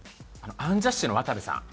アンジャッシュの渡部さんに。